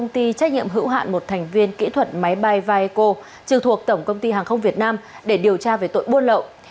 trú tại quận gò vấp